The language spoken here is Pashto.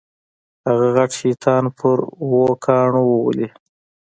هغه غټ شیطان پر اوو کاڼو وولې.